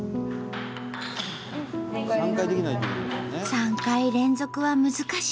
３回連続は難しい。